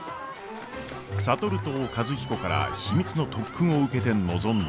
智と和彦から秘密の特訓を受けて臨んだ歌子。